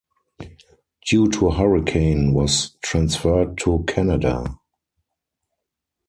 Due to hurricane was transferred to Canada.